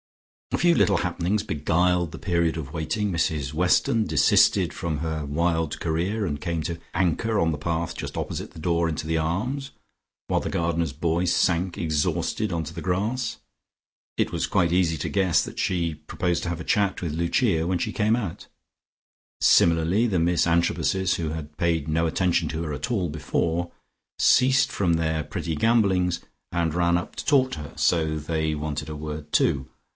A few little happenings beguiled the period of waiting. Mrs Weston desisted from her wild career, and came to anchor on the path just opposite the door into the Arms, while the gardener's boy sank exhausted on to the grass. It was quite easy to guess that she proposed to have a chat with Lucia when she came out. Similarly the Miss Antrobuses who had paid no attention to her at all before, ceased from their pretty gambolings, and ran up to talk to her, so they wanted a word too.